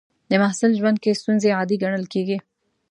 د محصل ژوند کې ستونزې عادي ګڼل کېږي.